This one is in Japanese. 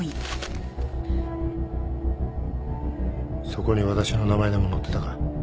そこに私の名前でも載ってたか？